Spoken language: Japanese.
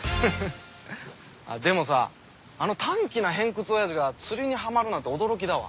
でもさあの短気な偏屈親父が釣りにハマるなんて驚きだわ。